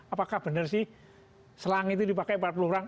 apakah benar sih selang itu dipakai empat puluh orang